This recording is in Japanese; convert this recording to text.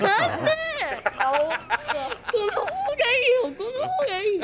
この方がいいよ